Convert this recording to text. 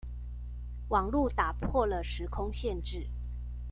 網路打破了時空限制